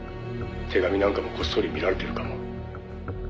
「手紙なんかもこっそり見られてるかも」